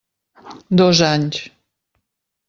Dos anys.